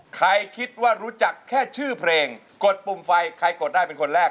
ใครคิดว่ารู้จักแค่ชื่อเพลงกดปุ่มไฟใครกดได้เป็นคนแรก